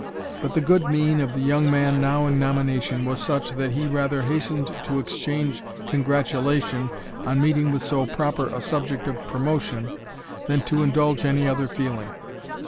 But the good mien of the young man now in nomination was such, that he rather hastened to exchange congratulation on meeting with so proper a subject of promotion, than to indulge any other feeling.